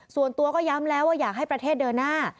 ส่วนตัวก็ย้ำแล้วว่าอยากให้ประเทศเดินหน้า